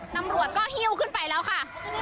ตำรวจก็หิ้วขึ้นไปแล้วค่ะ